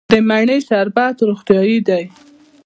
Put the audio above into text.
د مڼې شربت روغتیایی دی.